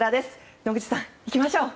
野口さん、いきましょう。